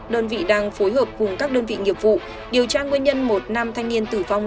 đơn vị đang phối hợp cùng các đơn vị nghiệp vụ điều tra nguyên nhân một nam thanh niên tử vong